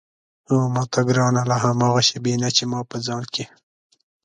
هو ماته ګرانه له هماغه شېبې نه چې ما په ځان کې.